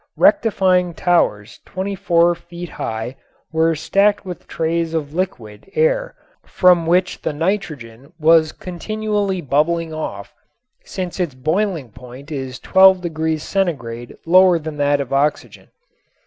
Rectifying towers 24 feet high were stacked with trays of liquid air from which the nitrogen was continually bubbling off since its boiling point is twelve degrees centigrade lower than that of oxygen.